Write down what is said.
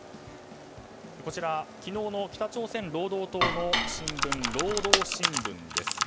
こちら昨日の北朝鮮労働党の新聞労働新聞です。